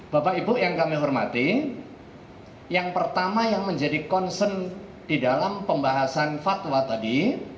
bapak ibu yang kami hormati yang pertama yang menjadi concern di dalam pembahasan fatwa tadi